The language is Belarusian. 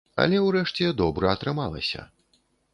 Але ўрэшце добра атрымалася.